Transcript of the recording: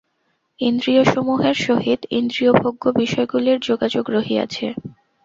ইন্দ্রিয়সমূহের সহিত ইন্দ্রিয়ভোগ্য বিষয়গুলির যোগাযোগ রহিয়াছে।